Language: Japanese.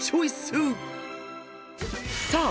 ［さあ